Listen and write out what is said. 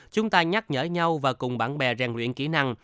chúng ta nhắc nhở nhau và cùng bạn bè rèn luyện kỹ năng